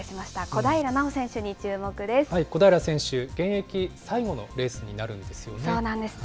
小平選手、現役最後のレースになるんですよね。